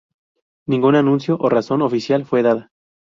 Ningún anuncio o razón oficial fue dada.